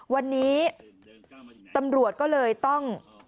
วันนี้ตำรวจก็เลยต้อง